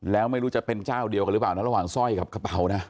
แล้วไม่รู้จะเป็นเจ้าเดียวกันหรือเปล่านะระหว่างสร้อยกับกระเป๋านะ